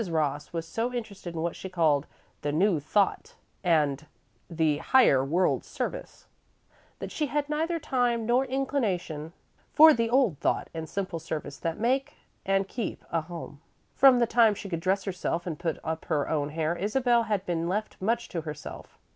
Ross was so interested in what she called "The New Thought" and "The Higher World Service" that she had neither time nor inclination for the old thought and simple service that make and keep a home. From the time she could dress herself and put up her own hair, Isabel had been left much to herself.